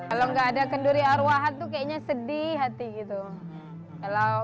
kalau nggak ada kenduri arwahat tuh kayaknya sedih hati gitu